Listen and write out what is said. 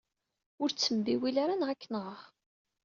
Ur ttembiwil ara neɣ ad k-nɣeɣ.